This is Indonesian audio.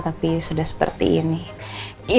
tapi sudah seperti ini